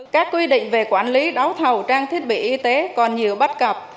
các quy định về quản lý đấu thầu trang thiết bị y tế còn nhiều bất cập